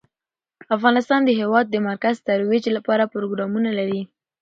افغانستان د هېواد د مرکز ترویج لپاره پروګرامونه لري.